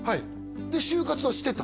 で就活はしてた？